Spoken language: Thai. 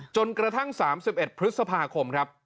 จนกระทั่ง๓๑พฤษภาคมครับ